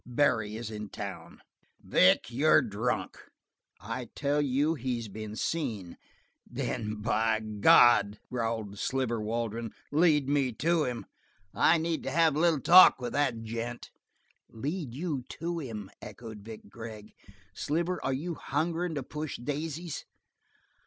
Barry is in town!" "Vic, you're drunk." "I tell you, he's been seen " "Then by God," growled Sliver Waldron, "lead me to him. I need to have a little talk with that gent." "Lead you to him?" echoed Vic Gregg. "Sliver, are you hungerin' to push daisies?"